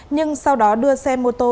nhưng sau đó đưa xe mô tô